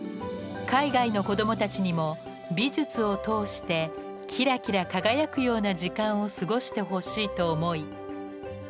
海外の子供たちにも美術を通してきらきら輝くような時間を過ごしてほしいと思い